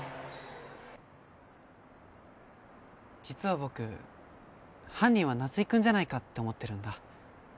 実は僕犯人は夏井くんじゃないかって思ってるんだ。